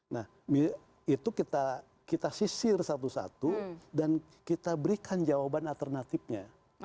nah itu kita sisir satu satu dan kita berikan jawaban alternatifnya